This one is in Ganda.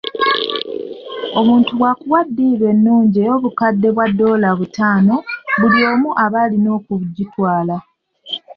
Omuntu bw'akuwa ddiiru ennungi ey'obukadde bwa ddoola butaano, buli omu aba alina okugitwala.